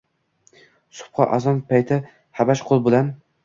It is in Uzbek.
Subhi azon payti habash qul bilan